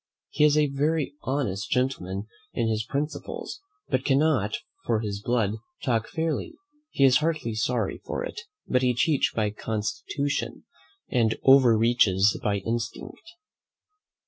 He is a very honest gentleman in his principles, but cannot for his blood talk fairly; he is heartily sorry for it; but he cheats by constitution, and over reaches by instinct.